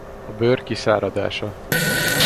A bőr kiszáradása.